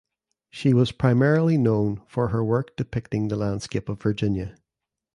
She was primarily known for her work depicting the landscape of Virginia.